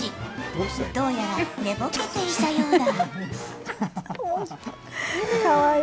どうやら、寝ぼけていたようだ。